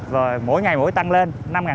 và mỗi ngày mỗi tăng lên năm năm trăm linh